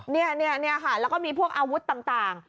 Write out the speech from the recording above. นี่ค่ะแล้วก็มีพวกอาวุธต่าง